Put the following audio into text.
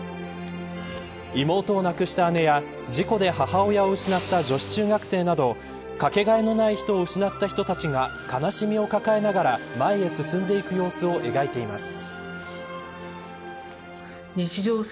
妹を亡くした姉や事故で母親を失った女子中学生などかけがえのない人を失った人たちが悲しみを抱えながら前へ進んでいく様子を描いています。